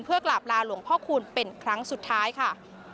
กราบลาหลวงพ่อคูณเป็นครั้งสุดท้ายค่ะ